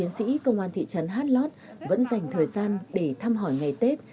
để đón thời khắc giao thừa những cán bộ chiến sĩ công an thị trấn hát lót vẫn dành thời gian để thăm hỏi ngày tết